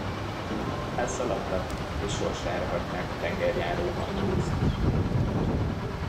Elszaladtak, és sorsára hagyták a tengerjáró matrózt.